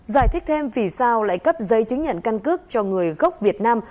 giải thích thêm vì sao lại cấp giấy chứng nhận căn cước cho người gốc việt nam